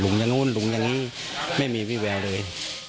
หลุงอย่างนู้นหลุงอย่างนี้ไม่มีวิแวะเลย